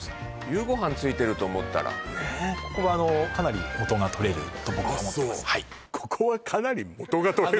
夕ごはんついてると思ったらここはあのかなり元が取れると僕は思ってますあっ